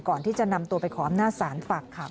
ก่อนที่จะนำตัวไปขออำนาจศาลฝากขัง